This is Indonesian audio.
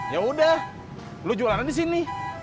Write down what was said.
yaudah lu jualan di sini